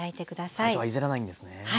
最初はいじらないんですね。